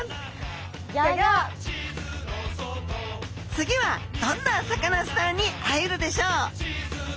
次はどんなサカナスターに会えるでしょう？